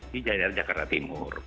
di jadilat jakarta timur